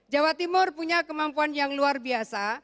jawa timur punya kemampuan yang luar biasa